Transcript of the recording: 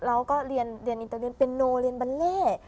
เราก็เรียนอินเตอร์เรียนเป็นโนเรียนบัลเล่